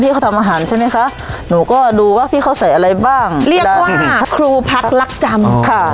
เขาทำอาหารใช่ไหมคะหนูก็ดูว่าพี่เขาใส่อะไรบ้างเรียกว่าครูพักรักจำค่ะ